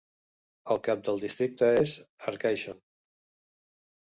El cap del districte és Arcaishon.